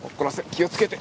気を付けて。